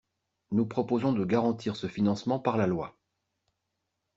Nous proposons de garantir ce financement par la loi.